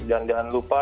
dan jangan lupa